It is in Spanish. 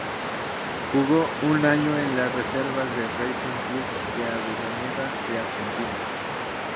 Jugó un año en las reservas de Racing club de Avellaneda en Argentina.